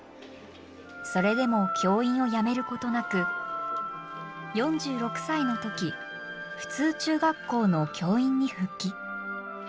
それでも教員を辞めることなく４６歳の時普通中学校の教員に復帰。